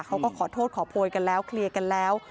เขาก็ขอโทษขอโพยกันแล้วเคลียร์กันแล้ว